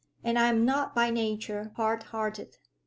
And I am not by nature hard hearted.